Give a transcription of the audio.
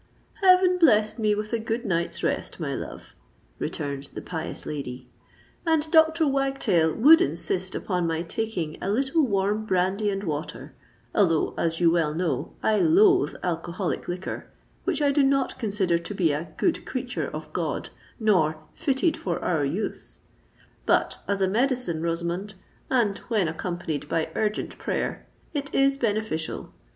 "Heaven blessed me with a good night's rest, my love," returned the pious lady; "and Dr. Wagtail would insist upon my taking a little warm brandy and water—although, as you well know, I loathe alcoholic liquor, which I do not consider to be a 'good creature of God,' nor 'fitted for our use.' But, as a medicine, Rosamond—and when accompanied by urgent prayer—it is beneficial.